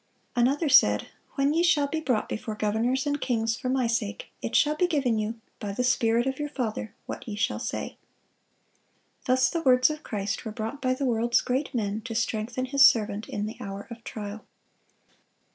Another said, "When ye shall be brought before governors and kings for My sake, it shall be given you, by the Spirit of your Father, what ye shall say." Thus the words of Christ were brought by the world's great men to strengthen His servant in the hour of trial.